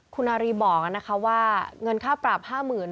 คุณอารีบอกว่าเงินค่าปรับ๕๐๐๐บาท